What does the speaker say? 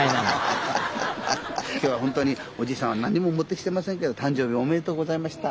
今日は本当におじさんは何にも持ってきてませんけど誕生日おめでとうございました。